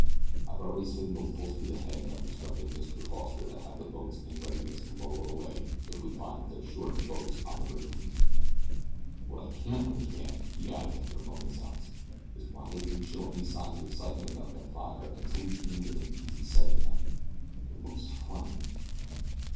I've already signaled full speed ahead, and I've instructed Mr. Foster to have the boats in readiness to lower away if we find that they're short of boats on the brigantine. "What I can't understand," he added after a moment's silence, "is why they didn't show any signs of excitement about that fire until we came within easy sight of them it looks funny."